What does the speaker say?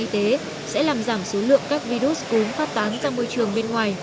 đeo khẩu trang y tế sẽ làm giảm số lượng các virus cốm phát tán sang môi trường bên ngoài